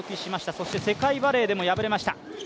そして世界バレーでも敗れました。